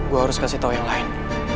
gue harus kasih tahu yang lain